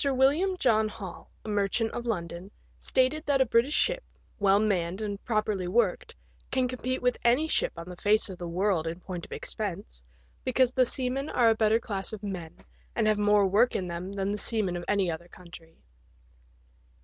William John Hall, a merchant of London, stated that a British ship, well manned and properly worked, can compete with any ship on the face of the world in point of expense, because the seamen are a better class of men, and have more work in them than the seamen of any other country.